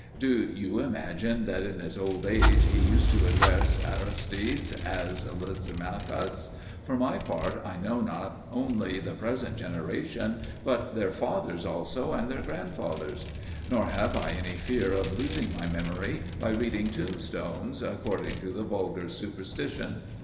Do you imagine that in his old age he used to address Aristides as Lysimachus? For my part, I know not only the present generation, but their fathers also, and their grandfathers. Nor have I any fear of losing my memory by reading tombstones, according to the vulgar superstition.